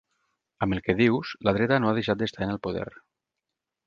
Amb el que dius, la dreta no ha deixat d'estar en el poder.